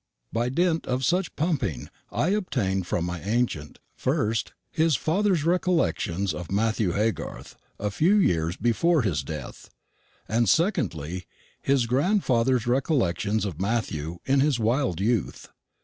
By dint of much pumping I obtained from my ancient, first, his father's recollections of Matthew Haygarth a few years before his death, and secondly, his grandfather's recollections of Matthew in his wild youth.